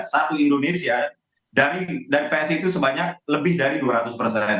satu indonesia dan psi itu sebanyak lebih dari dua ratus persen